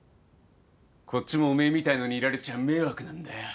こっちもおめえみたいなのにいられちゃ迷惑なんだよ。